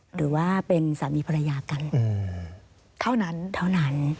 หรือว่าเป็นสามีภรรยากันเท่านั้น